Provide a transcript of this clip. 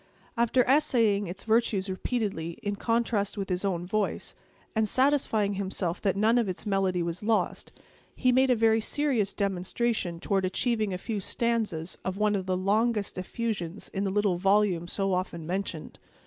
After essaying its virtues repeatedly, in contrast with his own voice, and, satisfying himself that none of its melody was lost, he made a very serious demonstration toward achieving a few stanzas of one of the longest effusions in the little volume so often mentioned.